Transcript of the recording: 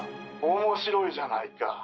☎面白いじゃないか。